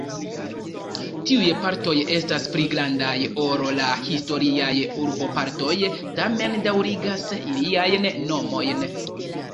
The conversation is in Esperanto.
Tiuj partoj estas pli grandaj ol la historiaj urbopartoj, tamen daŭrigas iliajn nomojn.